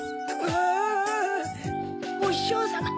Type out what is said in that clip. おししょうさま